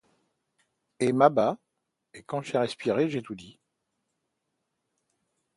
Et m’abat ; et quand j’ai respiré, j’ai tout dit.